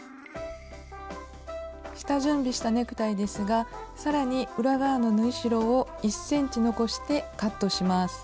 下準備したネクタイですがさらに裏側の縫い代を１ｃｍ残してカットします。